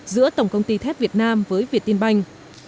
giữa tổng công ty thép việt nam với việt tiên banh